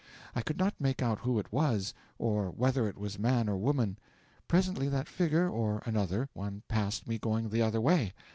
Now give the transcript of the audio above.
I could not make out who it was, or whether it was man or woman. Presently that figure or another one passed me going the other way.